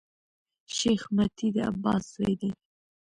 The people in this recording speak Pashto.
شېخ متي د عباس زوی دﺉ.